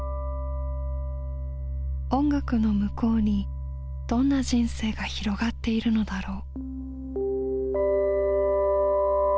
音楽の向こうにどんな人生が広がっているのだろう。